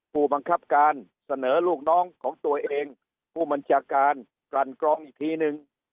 ผู้บังคับการเสนอลูกน้องของตัวเองผู้บัญชาการกลั่นกรองอีกทีนึง